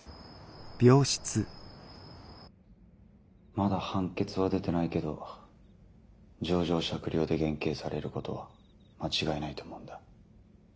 まだ判決は出てないけど情状酌量で減刑されることは間違いないと思うんだ。